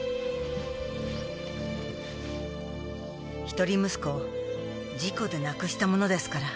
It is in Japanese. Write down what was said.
一人息子を事故で亡くしたものですから。